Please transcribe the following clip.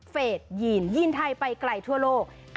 เฟสยีนยีนไทยไปไกลทั่วโลก